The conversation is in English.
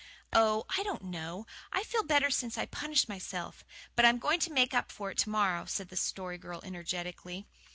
"Oh, I don't know. I feel better since I punished myself. But I'm going to make up for it to morrow," said the Story Girl energetically.